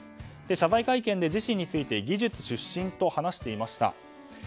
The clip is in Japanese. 謝罪会見で自身について技術出身と話していました。